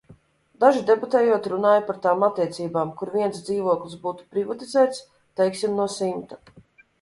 Daži debatējot runāja par tām attiecībām, kur viens dzīvoklis būtu privatizēts, teiksim, no simta.